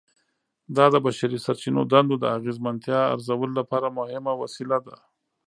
دا د بشري سرچینو دندو د اغیزمنتیا ارزولو لپاره مهمه وسیله ده.